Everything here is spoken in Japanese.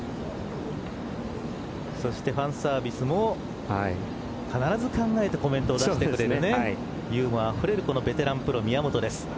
そしてファンサービスも必ず考えたコメントを出してくれるねユーモアあふれるベテランプロ宮本です。